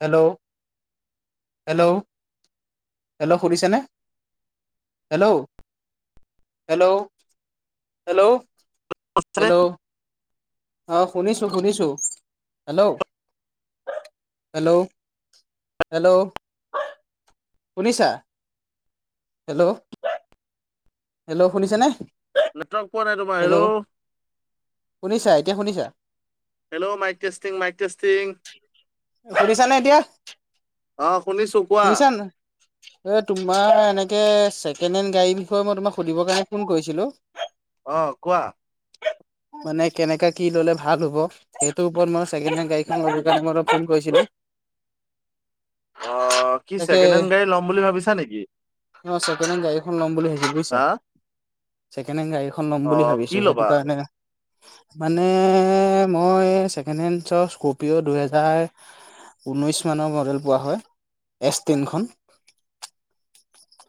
Hello hello hello সুধিছেনে hello hello hello চ hello অ শুনিছো শুনিছো হেল্ল' হেল্ল' হেল্ল' শুনিছা হেল্ল' হেল্ল' শুনিছা নে নেটৱৰ্ক পোৱা নাই তোমাৰ হটো তয়া শুনিছা মাইক টেষ্টিং ঘুৰিছা নে এতিয়া অ শুনিছো কোৱা শুনিছান এ তোমাৰ এনেকে তছেকেড হেণ্ গাড়ীৰ বিষয়ে মই তোমাক সুধিব কাৰণে ফোন কৰিছিলো অ কোৱা এ মানে কেনেকাে কি ললে ভাল হ'ব সেইটোৰ ওপৰত মই কে হেণ্ গাড়ী ফোন কৰিছিলো অ কি তাকে ছেকেণ্ড হেণ্ড গাড়ী লম বুলি ভাবিছা নেকি অ ছেকেণ্ড হেণ্ড গাড়ীখন ল'ম বুলি ভাবিছিল বুজছা হা ছেকেণ্ড হেণ্ড গাড়ীখন ল'ম অ বুলি কি ভাবিছো সেইটো ল'বা কাৰণে মানে মই ছেকেণ্ড হেণ্ড স্কপিঅ' দুহেজাৰ ঊনৈশ মানৰ মডেল পোৱা হয় এছ টেনখন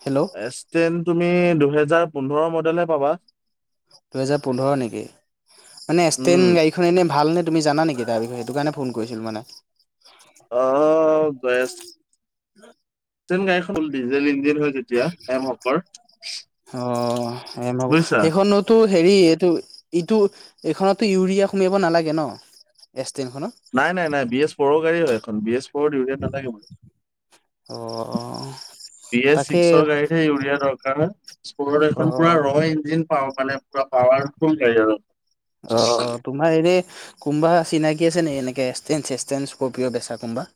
হেল্ল' এচ টেন তুমি দুহেজাৰ পোন্ধৰ মডেলহে পাবা দুহেজাৰ পোন্ধৰ নেকি মানেেন উম গাড়ীখন এনে ভাল নে তুমিানা নেকি তাৰ বিষয়ে সেইটো কাৰণে ফোন কৰিছিলো মানে অ গয়ছ যেন গাড়ীখনল ডিজেল ইঞ্জিন হয় যেতিয়া এমহকৰ সেইখনোতো হেৰি এইটো ইটো এইখনতো ইউৰিয়া সোমাব নালাগে ন টেনখনত নাই নাই নাই বি এছ ফ'ৰৰ গাড়ী হয় এখন বি এছ ফ'ৰৰ ইউৰিয়া নালাগে মান অ বি এছ তাকে ছিক্সৰ গাড়ীতহে ইউৰিয়া দ কাৰ স্কুৰত অ এখন পুৰা ৰ ইঞ্জিন পাৱ মানে পুৰা পাৱাৰফুল গাড়ী আৰু অ', তোমাৰ এনে কোনম্বা চিনাকি আছেনে এনেকৈ এষ্টেঞ্চ ষ্টেঞ্চ ক প্ৰিয় বেচা কোনমবা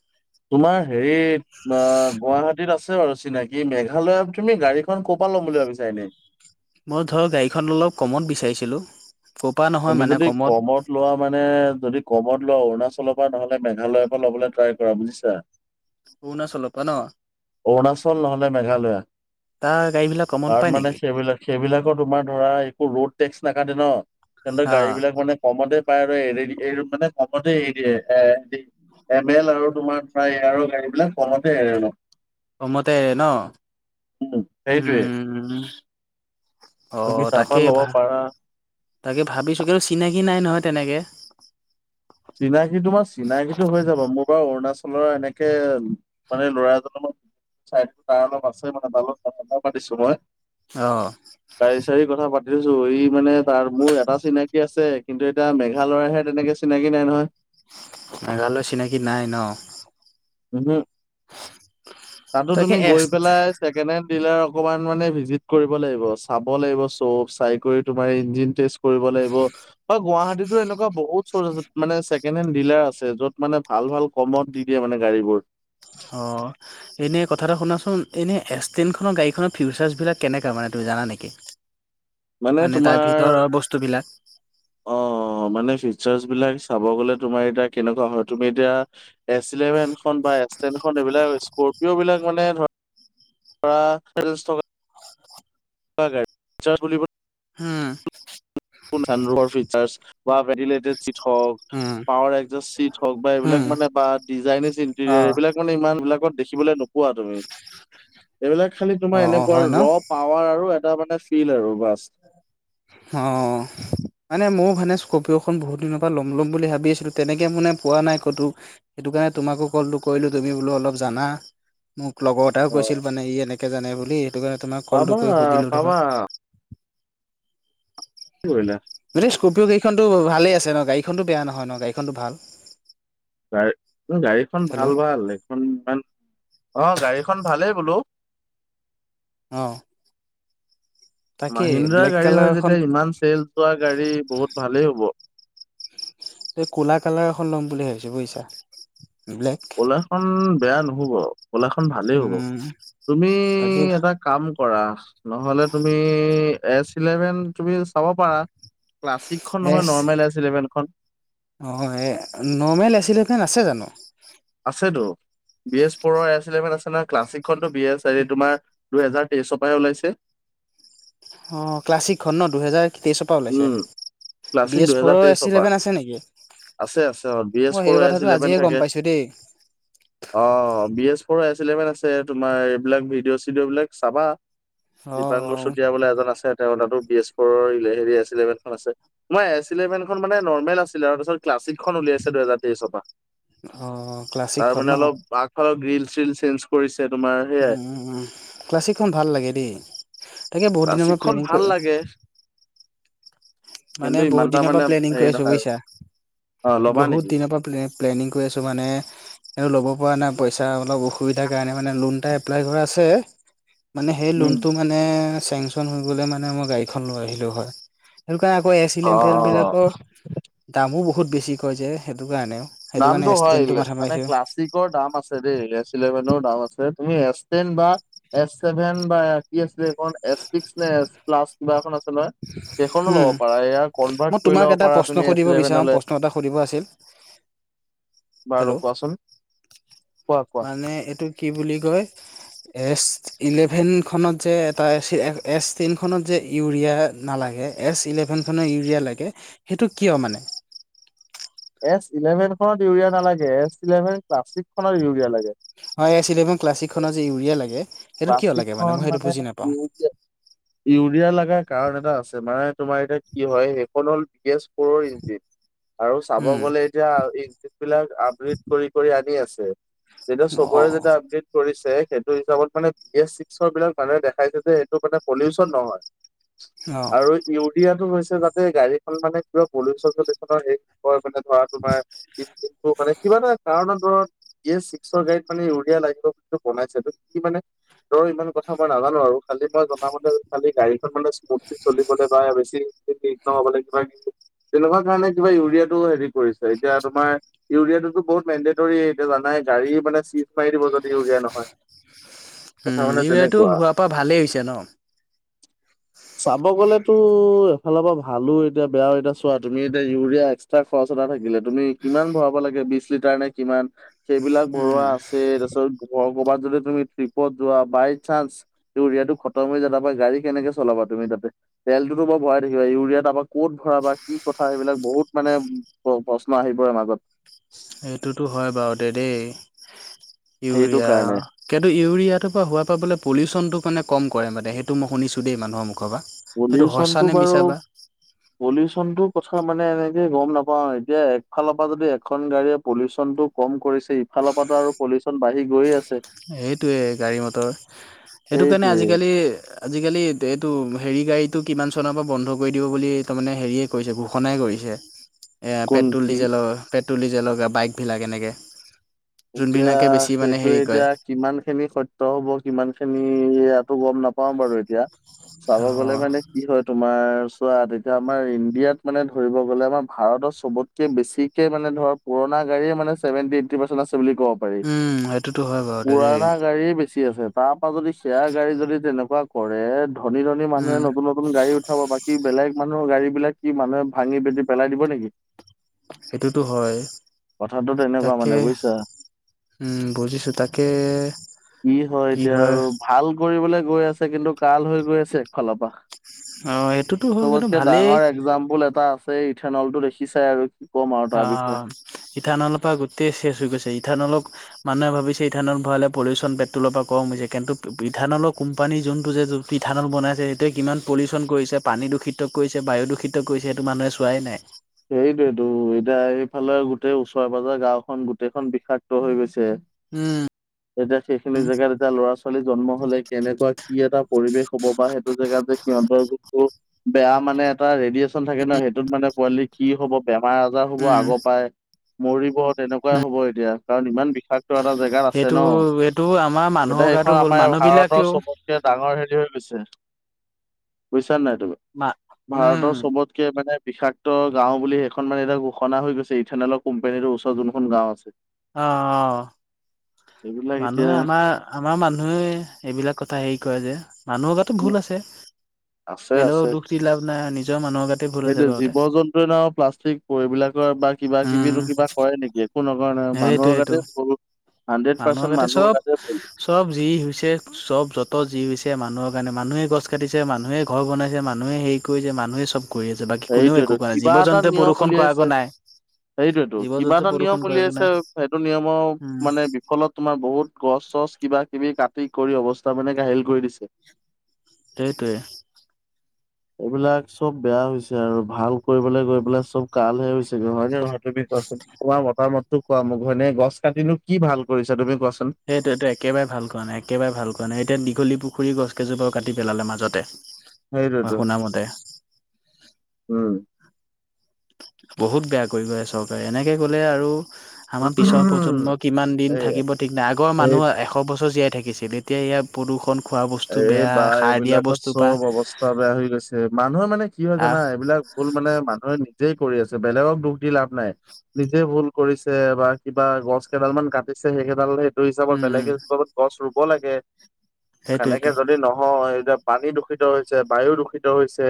তোমাৰ হেৰিত অ', গুৱাহাটীত আছে বাৰু চিনাকি। এই মেঘালয়ত তুমি গাড়ীখন ক'ৰ পৰা লম বুলি ভাবিছা এনে। মই ধৰ গাড়ীখন অলপ কমত বিচাৰিছিলোঁ। ক'পা নহয় তুমি মানে যদি কমত লোৱা মানে যদি কমত লোৱা অৰুণাচলৰ পৰা নহ'লে মেঘালয়ৰ পৰা ল'বলৈ ট্ৰাই কৰা বুজিছা। অৰুণাচলৰ পৰা ন'। অৰুণাচল নহ'লে মেঘালয় তাৰ গাড়ী বিলাক কমত ত' পাই মানে নেকি? সেইবিলাক সেইবিলাকৰ তোমাৰ ধৰা একো ৰোড টেক্স নাকাদে ন'। তেৰ হা গাড়ী বিলাক মানে কমতে পায় আৰু এ মানে কমতে এৰি দিয়ে এ এম এল আৰু তোমাৰ এয়াৰৰ গাড়ী বিলাক কলতে এৰেল কমতে এৰে উম, ন'। সেইটোৱে উম, তুমি অ', তাৰপা তাকেই ল'ব ভাল পাৰা তাকে ভাবিচো চিনাকি নাই নহয় তেনেকে। চিনাকি তোমাৰ চিনাকিটো হৈ যাব মোৰ বাৰু অৰুণাচলৰ এনেকে মানে ল'ৰাজনৰ চ তাৰ অলপ আছে মানোলত পাতিছো মই অ গাড়ী চাডাৰী কথা পাতি ছো ই মানে তাৰ মোৰ এটা চিনাকি আছে কিন্তু এতিয়া মেঘালয়ৰ হে তেনেকে চিনাকি কি নাই নহয়। ন' গালো চিনাকি নাই ন'। [inaudible] তাতো তাকে তুমি এছ গৈ পেলাই ছেকেণ্ড হেণ্ড দিলে অকমান মানে ভিজিট কৰিব লাগিব চাব লাগিব চব চাই তমাৰ ইঞ্জিন টেষ্ট কৰিব লাগিব। বা গুৱাহাটীতো এনেকুৱা বহুত চচ আছে মানে ছেকেণ্ড হেণ্ড ডিলাৰ আছে য'ত মানে ভাল ভাল কমত দি দিয়ে মানে। গাড়ীবোৰ অ'। এনেই কথাটো শুনাচোন এনেই এছ টেনখনৰ গাড়ীখনৰ ফিউচাৰ্ছবিলাক কেনেকুৱা মানে তমি জানা নেকি? মানে তাৰ তোমাৰ ভিতৰৰ বস্তুবিলাক অ', মানে ফিচাৰচ গলে তোমাৰ এতিয়া কেনেকুৱা হয় তুমি এতিয়া এছ ইলেভেন বা এক্স টেনখন সেবিলাক স্ক'ৰ্পিঅ' বিলাক মানে ধ ধৰা থকা [unintelligible] হম। [unintelligible] বা ভেটটড চট হওঁক উম পাৱাৰ এক চিট হওঁক বা এইবিলাক উম মানে বা ডিজাইনিছ অ ইণ্টেৰিয়াৰ এইবিলাক মানে ইমান বিলাকত দেখিবলৈ নোপোৱা তুমি এইবিলাক খালি অ তোমাৰ অ এনেকুৱা হয় ন ৰ পাৱাৰ আৰু এটা মানে ফিল আৰু বাষ্ট অ', মানে মোৰ মানে স্ক্'ৰ্পিঅ'খন বহুত দিনৰ পৰা লম লম বুলি ভাবি আছিলো তেনেকে মানে পোৱা নাই ক'তো সেইটো কাৰণে তোমাকো কলটো কৰিলোঁ তুমি বোলো অলপ জানা মোক। লগৰ এটাও অ কৈছিল মানে ই এনেকে জানে বুলি সেইটো কাৰণে তোমাক পাবা কলটো কৰি সুধিলো ধৰ পাবা কি কৰিলা? মানে স্ক'ৰপিঅ' গাড়ীখনো ভালেই আছে ন গাড়ীখনতো বেয়া নহয় ন গাড়ীখনটো ভাল। গা গাড়ীখন ভাল হেল্ল' ভাল এইখন অ', গাড়ীখন ভালেই বোলো। অ'। মাহিন্দ্ৰাৰ গাড়ী কালাৰ হয় এখন যেতিয়া ইমান চেল যোৱা গাড়ী বহুত ভালেই হ'ব। এই ক'লা কালাৰ এখন ল'ম বুলি ভাবিছো বুজিছা। ব্লেক। কলাখনন বেয়া নহ'ব। ক'লাখনন ভালেই হ'ব উম তুমি তাকে এটা কাম কৰা নহ'লে তুমি এচ ইলেভেন তুমি চাব পাৰা। ক্লাছিকখন নহয় নৰ্মেল এছ ইলেভেনখন অ এই নৰ্মেল এছিলৈফেন আছে জানো ক্লাছিকখনো বি এছ তোমাৰ দুহেজাৰ তেইশৰ পৰা ওলাইছে। ক্লাছিক ঘন দুহেজাৰ তেইছৰ পৰা ওলাইছে। উম বি ক্লাছিক এছ দুহেজাৰ ফ'ৰৰ এছ তেইশৰ পৰা ইলেভেন আছে নেকি? আছে আছে অ বি এছ মই ফ'ৰৰ সেই এছ কথাটো ইলেভেন আজিহে থাকে গম পাইছো দেই। অ বি এছ ফৰচভেন আছে তোমাৰ এইবিলাক ভিডিঅ' চিডিঅ' বিলাক চাবা। অ অ দপাংগুৰ চুতীয়া বোলে এজন আছে তেওঁতাতো বিজ পুৰলে হৰি আছিলে। ইলেভেনখন আছে মই এছ ইলেভেনখন মানে নৰ্মেল আছিল তাৰপিছত ক্লাছিকখন উলাইছে দুহেজাৰ তেইশৰ পৰা অ তাৰ ক্লাছিকখন মানে ন অলপ আগফালৰ গ্ৰিল চেঞ্জ কৰিছিল উ ক্লাছিকখন ভাল লাগে দেই তাকে বহুত দিনৰ মই ক্লাছিকখন প্লেনিং ভাল কৰিঁ লাগে মানে কিন্তু ইমান বহুত এটা দিনৰ পৰা মানে প্লেনিং হেৰি কৰি আছো নহয় আৰু বুজিছা অ ল'বা বহুত নেকি? দিনৰ পৰা প্লেনিং কৰি আছো। মানে স ল'ব পৰা নাই পইচা অলপ অসুবিধাৰ কাৰণে মানে লোন এটা এপ্লাই কৰা আছে। সয় মানে সেই উম। লোনটো মানে চেংচন হৈ গলে মানে মই গাড়ীখন লৈ আহিলো হয়। সেইটো কাৰণে আকৌ এছল অ এম ফেল অ অ। বিলাকৰ দামো বহুত বেছি ক যে সেইটো কাৰণেও। সেইটো কাৰণে নামটো এছ হয় টেনটো মাথা মানে মাৰিছো ক্লাছিকৰ দাম আছে। দেই লেছ ইলেভেনৰ দাম আছে। তুমি এছ টেন বা এছ চছেভেন বা কি আছিলখন এ চিক্স নে প্লাচ কিবাখন চল কেইখনো ল'ব উম পাৰা এয়া কনভাৰ্ট মই কৰি তোমাক ল'ব এটা পাৰা প্ৰশ্ন তুমি এভেনলৈ। হয়। বাৰু কোৱাচোন। কোৱা কোৱা মানে এইটো কি বুলি কয় এচ। ইলেভেন খত যে এটা এ টেন খত যে ইউৰিয়া নালাগে এ [inaudible] ইউৰিয়া লাগে সেইটো কি মানে এছ ইলেভেনখনত ইউৰিয়া নালাগে। এছ ইলেভেন ক্লাছ ছিক্স খত ইউৰিয়া লাগে। [inaudible] ক্লাছিক খনৰ যে ইউৰিয়া লাগে সেইটো কিয় লাগে বাচিকখন মই সেইটো মানে বুজি বি নাপাওঁ ইউৰিয়া লগাৰ কাৰণ এটা আছে। মানে তোমাৰ এতিয়া কি হয় সেইখন হ'ল ৰ ইগিত আৰু চাব উম গলে এতিয়া ইজিত বিলাক আপডেত কৰি কৰি আনি আছে। যেতিয়া অ চবৰে যেতিয়া আপড্ৰেট কৰিছে সেইটো হিচাপত মানে গেছ চিক্সৰ বিলাক মানুহে দেখাইছে যে এইটো মানে পলিউচন নহয়। অ আৰু ইউৰিয়াটো হৈছে যাতে গাড়ীখন মানে কিবা পলিউচন চলিচনৰ মানে ধৰা তোমাৰ মানে কিবা কাৰণ দৰত ই চিকছৰ গাইডত মানে ইউৰিয়া লাগিব বুলিটো বনাইছে কি মানে ৰ ইমান কথা মই নাজানো আৰু খালি মই জনামতে খালি গাড়ী [inaudible] চলিবলে বা বেছি নহ'বলে [inaudible] তেনেকুৱা কাৰণে কিবা ইউৰিয়াটো হেৰি কৰিছে এতিয়া তোমাৰ ইউৰিয়া টোতো বহুত মেণ্ডেটৰ এতিয়া জানাই গাড়ী মানে চিট মাৰি দিব যদিও আউলীয়া নহয় কথা উম মানে এইটো তেনেকুৱা হোৱাৰ পৰা ভালেই হৈছে ন। চাব গ'লেতো এফালৰ পৰা ভালো এতিয়া বেয়া এতিয়া চোৱা তুমি এতিয়া ইউৰিয়া এক্সট্ৰা খৰচ এটা থাকিলে। তুমি কিমান ভৰাব লাগে বিশ লিটাৰ নে কিমান সেইবিলাক উম ভৰোৱা আছে তাৰপিছত ঘ ক'বাত যদি তুমি টিপত যোৱা বাই চান্স ইৰিয়াতটো খতম হৈ য তাপা গাড়ী কেনেকে চলাবা তুমি তাতে তেলটোতো ব মই ইউৰিয়াত আকৌ ক'ত ভৰা বা কি কথা সিবিলাক বহুত মানে প্ৰশ্ন আহি পৰে মাজত। সেইটোতো হয় বাৰু দে দেই সেইটো ইউৰিয়া কাৰণে কিন্তু ইউৰিয়াটো পৰা হোৱা [unintelligible] পলিউচনটো মানে কম কৰে সেইটো মই শুনিছোঁ দেই মানুহৰ মুখ পলিউচনতটো বাৰু পলিউচনটো কথা মানে এনেকে গম নাপাওঁ এতিয়া একফালৰ পৰা যদি এখন গাড়ীয়ে পলিউচনটো কম কৰিছে ফাল ফালপাৰ আৰু পলিউচন বাঢ়ি গৈ আছে। সেইটোয়ে গাড়ী মটৰ সেইটো কাৰণে সেইটোৱে আজিকালি আজিকালি এইটো হেৰি গাড়ীতটো কিমান চনৰ পৰা বন্ধ কৰি দিব বুলি তাৰমানে হেৰিয়ে কৰিছে ঘোষণাই কৰিছে। এ কোন পেট্ৰল কি ডিজেলৰ পেট্ৰল ডিজেলৰ বাইকবিলাক এনেকে। এতিয়া যোনবিলাকে বেছি মানে সেইটোয়ে হেৰি কৰে এতিয়া। কিমান খিনি সত'ব কিমান খিনিয়াতটো গম নাপাও বাৰু এতিয়া চাব অ গলে মানে কি হয় তোমাৰ ত এতিয়া আমাৰ ইণ্ডিয়াত মানে ধৰিব গলে আমাৰ ভাৰতত চবতকে বেছিকে মানে ধৰ পুৰণা পুৰাণা গাড়ী চেভে্ন্টিন এইটি পা্ৰচেন্ট আছে বুলি কব পাৰি। উম সেইটোতো হয় বাৰু দে দেই আছে তাৰ পৰাা যদি শ্বেয়াৰ গাড়ী যদি তেনেকুৱা কৰে। ধনী, ধনী মানুহ উম নতুন, নতুন গাড়ী উঠাব বাকী বেলেগ মানুৰ গাড়ী বিলাক কি মানুহে ভাঙি পেটি পেলাই দিব নেকি। সেইটোতো হয় কথাটো তেনেকুৱা তাকে মানে বুজিছা। উম বুজিছো তাকে কি হয় এতিয়া আৰু ভাল কৰি গৈ আছে কিন্তু কাল হৈ গৈ আছে ফালৰ পৰা। অ সেইটোতো হয় কিন্তু চবতকে ভালেই ডাঙৰ একজাম্পল এটা আছে ইথেনলটো দেখি চাই আৰু কি ক'ম আৰু অ তাৰ বিষয়ে। ইথানলৰপ পৰা গোটেই শেষ হৈ গৈছে ই ইথানলক মানুহে ভাবিছে ইথানত ভৰালে পলিউশচন পেট্ৰলৰ পৰা কম হৈছে কিন্তু ইথানলৰ কোম্পানী যোনটো যে পিঠাডল বনাইছে সেইটোৱে কিমান পলিউশন কৰিছে পানী দূষিত কৰিছে বায়ু দূষিত কৰিছে সেইটো মানুহে চোৱাই নাই। সেইটোয়েতটো এতিয়া এইফালে গোটেই ওচৰে পাজৰে গাওখন গোটেইখন বিষাক্ত হৈ গৈছে। উম, এতিয়া সেইখিনি জেগাত এতিয়া ল'ৰা ছোৱালী জন্ম হলে কেনেকুৱা কি এটা পৰিৱেশ হব বা সেইটো জেগাত যে সিহঁতৰ যিটো বেয়া মানে এটা ৰেডিয়েচন থাকে ন সেইটোত মানে পোৱালি কি হ'ব বেমাৰ আজাৰ হ'ব উম, আগৰ পাই মৰিব তেনেকুৱাই উম। হ'ব এতিয়া কাৰণ ইমান বিষাক টো এটা জেগাত আছে সেইটো ন এইটো আমাৰ এতিয়া মানুহৰ গাতো সেইখন ভুল আমাৰ মানুহ ভাৰতৰ বিলাকেও চবতকে ডাঙৰ হেৰি হৈ গৈছে বুজিছা নাই তুমা মা উম। ভাৰতৰ চবতকে মানে বিষাক্ত গাওঁ বুলি সেইখন মানে এতিয়া ঘোষণা হৈ গৈছে ইথেনেলকোম্পানী চৰত যোনখন গাও আছে অ', অ', এইবিলাক এতিয়া মানুহে আমাৰ আমাৰ মানুহে এইবিলাক কথা এ হেৰি কয় যে মানুহৰ গো ভুল আছে বেলেগৰ দুখ দি লাভ নাই নিজৰ মানুহৰ গাতে ভুল আছে সেইটো বাৰুতে। জীৱ জন্তুৱে ন প্লাষ্টিক এইবিলাকৰ বা কিবা উম, কিবি কিবা কৰে নেকি একো নকৰে মান মানুহৰ সেইটোৱেটো। গাতে ভূল মানুহৰ আগাতে চব চব যি হৈছে চব যত যি হৈছে মানুহৰ কাৰণে মানুহে গছ কাটিছে মানুহে ঘৰ বনাইছে মানুহে হেৰি কৰিছে মানুহে চব কৰি আছে বাকী কোনেও সেইটোৱেতো একো কৰাৱা নাই জীৱ জন্তুে প্ৰদূষণ কৰাকো নাই। সেইটোয়েতো জীৱ কিবা জন্তু এটা নিয়ম প্ৰদূষণ কৰাকো উলিয়াইছে নাই সেইটো নিয়মৰ উম মানে ফলত তোমাৰ বহুত গছ চছ কিবা কিবি কাটি কৰি অৱস্থা মানে ঘাহিল কৰি দিছে। সেইটোৱে। এইবিলাক চব বেয়া হৈছে আৰু ভাল কৰিবলৈ গৈ পেলাই চব কালহে হৈছেগে হয় ন নহয় তুমি তোমাৰ মতা মতো কোৱা ম ঘ হয়নে গছ কাটিনো কি ভাল কৰিছ তুমি কোৱা চোন সেইটো এইটো একেবাৰে ভাল কোৱা নাই একেবাৰে ভাল কোৱা নাই এতিয়া দীঘলী পুখুৰীৰ গছকজোপা কাটি পেলালে মাজতে হেই' মই ৰটো শুনামতে উম'। বহুত বেয়া কৰি গৈ চৰকাৰে এনেকৈ কলে আৰু। আমাৰ পিছৰ প্ৰজন্মই কিমান দিন এই থাকিব ঠিক নাই। আগৰ এই মানুহ এশ বছৰ জীয়াই থাকে। থাকিছিল এতিয়া ইয়াৰ প্ৰদূষণ। খোৱা বস্তু এই বেয়া বা সাৰ দিয়া এইবিলাকত বস্তুৰ পৰা চব অৱস্থা বেয়া হৈ গৈছে, মানুহৰ মানে কি হয় আহ জানা এইবিলাক মূল মানে মানুহে নিজেই কৰি আছে বেলেগক দুখ দি লাভ নাই। নিজে ভুল কৰিছে বা কিবা গছ কেইডাল মান কাটিছে, সেইকেইডাল হেই সেইটো উম, হিচাপত বেলেগ উম, এজোপা মান গছ ৰুব লাগে। সেনেকে সেইটোয়েটো যদি নহয় এতিয়া পানী দূষিত হৈছে, বায়ু দূষিত হৈছে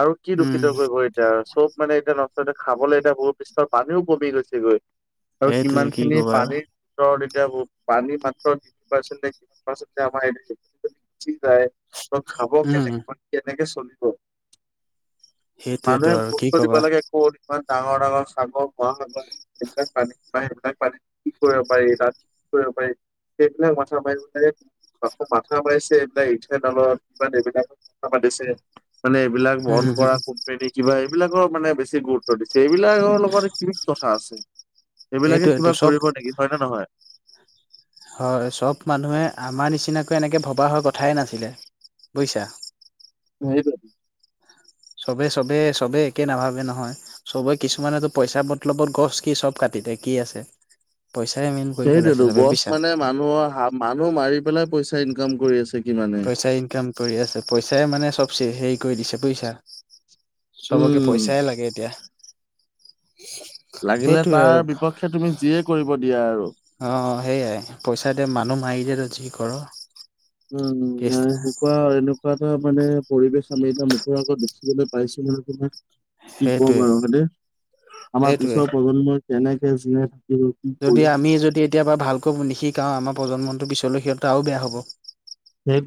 আৰু কি উম, দূষিত কৰিব এতিয়া আৰু চব মানে এতিয়া নষ্ট হৈছে, এতিয়া খাবলৈ এতিয়া ভূ পৃষ্ঠত পানীও কমি গৈছে গৈ। আৰু কিমান সেইটোয়ে কি খিনি কবা আৰু পানীৰ ত পানী মাত্ৰ তিনি পাৰ্চ পাৰ্চাৰ [unintelligible] তাই খাব উম। কেনেকৈ? বা কেনেকৈ চলিব? সেইটোয়েতো মানুহে আৰু কি গুৰুত্ব দিব কবা লাগে ক'ত। ইমান ডাঙৰ ডাঙৰ চাবৰ মহা সাগৰ। সেইবিলাক পানী বা সেইবিলাক পানী কি কৰিব পাৰি তাত, কি কৰিব পাৰি সেইবিলাক মথা মাৰিব নাথাকিবি মাথা মাৰিছে এইবিলাক, ইথেনেলত বা মথা মাতিছে। মানে এইবিলাক উম, বহন উম, কৰা কোম্পানী কিবা এই এইবিলাকৰ মানে বেছি গুৰুত্ব দিছে এইবিলাকৰ লগত কিনো কথা আছে। এইবিলাকে সেইটোয়েতো কিবা চব কৰিব নেকি, হয় নে নহয়? হয় চব মানুহে আমাৰ নিচিনাকৈ এনেকৈ ভবা হয় কথাই নাছিলে। বুইচা? সাইতিয়েটো। চবে চবেই চবে একে নাভাবে নহয়, চবে কিছুমানেতো পইচা বতলবত গছ কি চব কাটি দিয়ে। এতিয়া কি আছে? পইচাই মেইন কৰি পেলাইছে সেইটোতো, চবে গছ বুজিছা। মানে মানুহৰ হা মানুহ মাৰি পেলাই পইচা ইনকাম কৰি আছে। কিমানে। পইচা ইনকাম কৰি আছে, পইচাই মানে চব হেৰি কৰি দিছে বুজিচা। চবকে উম। পইচাই লাগেই এতিয়া। লাগিলে সেইটোয়ে আৰু তাৰ বিপক্ষে তুমি যিয়ে কৰিব দিয়া আৰু। অ', সেইয়াই পইচা দে মানুহ মাৰি দে তই যি ক'ৰ। উম, কেছ নাই এনেকুৱা এনেকুৱা এটা মানে পৰিবেশ আমি এতিয়া মুখৰ আগত দেখিবলৈ পাইছো নহয় মানে তোমাক। কি কম সেইটোয়ে। আৰু হয়নে? আমাৰ সেইটোৱে পিছৰ প্ৰজন্মই কেনেকে জীয়াই কি যদি কৰিব আমি যদি এতিয়াবা ভালকৈ নিশিকাওঁ আমাৰ প্ৰজন্মটোৰ পিছলৈ সিহঁত আৰু বেয়া হ'ব। সেইটোৱে।